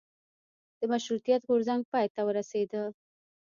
د مشروطیت غورځنګ پای ته ورسیده.